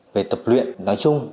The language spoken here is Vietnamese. về tập luyện